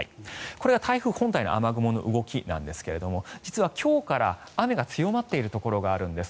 これは台風本体の雨雲の動きなんですが実は今日から雨が強まっているところがあるんです。